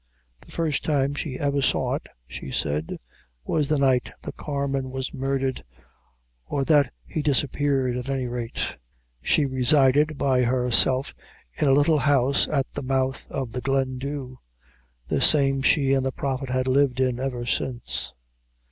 "The first time she ever saw it," she said, "was the night the carman was murdered, or that he disappeared, at any rate. She resided by herself, in a little house at the mouth of the Glendhu the same she and the Prophet had lived in ever since.